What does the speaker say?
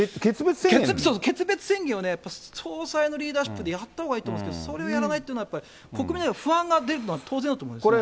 そうそう、決別宣言をやっぱり総裁のリーダーシップでやったほうがいいと思うんですけど、それをやらないっていうのは、国民には不安が出るのは当然だと思いますね。